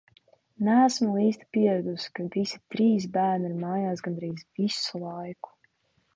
Neesmu īsti vēl pieradusi, ka visi trīs bērni ir mājās gandrīz visu laiku.